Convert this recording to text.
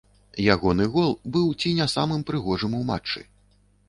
Ягоны гол быў ці не самым прыгожым у матчы.